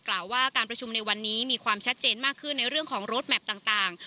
กล่าวว่าการประชุมในวันนี้มีความชัดเจนมากขึ้นในเรื่องของรถแมพต่าง